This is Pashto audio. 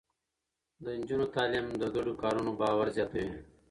د نجونو تعليم د ګډو کارونو باور زياتوي.